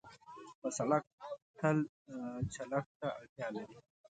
سړک تل چلښت ته اړتیا لري.